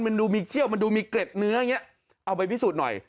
มันดูมีเขี้ยวมันดูมีเกร็ดเนื้ออย่างนี้เอาไปพิสูจน์หน่อย